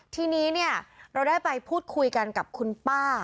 ทีนี้เนี่ยเราได้ไปพูดคุยกันกับคุณป้า